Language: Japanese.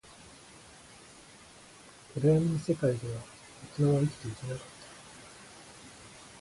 暗闇の世界では、大人は生きていけなかった